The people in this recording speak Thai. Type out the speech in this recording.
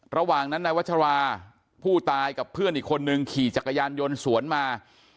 ระหว่างนั้นนายวัชราผู้ตายกับเพื่อนอีกคนนึงขี่จักรยานยนต์สวนมา